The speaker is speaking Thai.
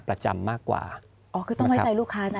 ประจำมากกว่าอ๋อคือต้องไว้ใจลูกค้านะ